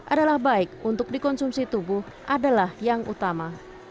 adalah baik untuk dikonsumsi tubuh adalah yang utama